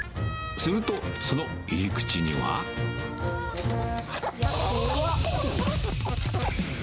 すると、その入り口には。いや、怖っ。